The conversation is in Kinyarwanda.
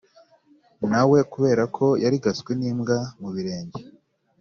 nawe kubera ko yarigaswe n’imbwa mu birenge